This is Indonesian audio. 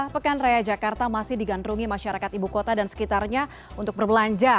pekan raya jakarta masih digandrungi masyarakat ibu kota dan sekitarnya untuk berbelanja